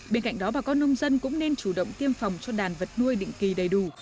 bên cạnh đó bà con nông dân cũng nên chủ động tiêm phòng cho đàn vật nuôi định kỳ đầy đủ